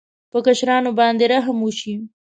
په کشرانو باید رحم وشي.